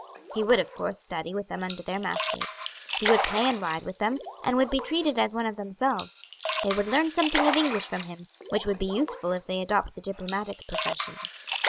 He would, of course, study with them under their masters. He would play and ride with them, and would be treated as one of themselves. They would learn something of English from him, which would be useful if they adopt the diplomatic profession.